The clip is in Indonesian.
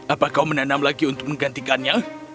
apa kau menanam lagi untuk menggantikannya